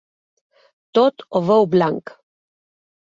Tot ho veu blanc.